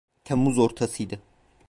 Temmuz ortasıydı.